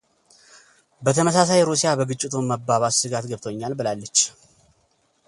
በተመሳሳይ ሩሲያ በግጭቱ መባባስ ስጋት ገብቶኛል ብላለች።